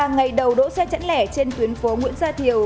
ngày đầu đỗ xe chẫn lẻ trên tuyến phố nguyễn gia thiều